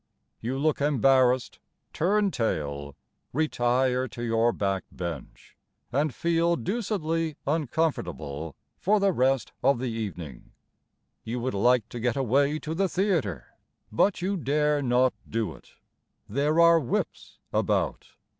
You look embarrassed, turn tail, retire to your back bench, And feel deucedly uncomfortable for the rest of the evening. You would like to get away to the theatre, But you dare not do it: There are Whips about.